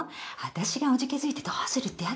「私がおじけづいてどうする？」ってやつよ。